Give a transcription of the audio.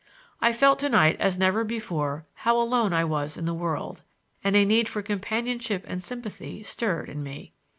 I felt to night as never before how alone I was in the world, and a need for companionship and sympathy stirred in me.